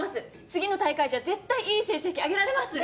次の大会じゃ絶対いい成績あげられます！